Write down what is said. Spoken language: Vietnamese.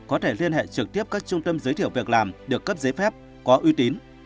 có thể liên hệ trực tiếp các trung tâm giới thiệu việc làm được cấp giấy phép có uy tín